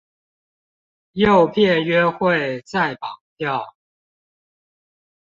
誘騙約會再綁票